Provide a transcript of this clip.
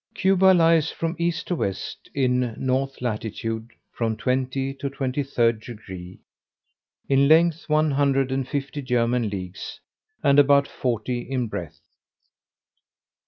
Cuba lies from east to west, in north latitude, from 20 to 23 deg. in length one hundred and fifty German leagues, and about forty in breadth.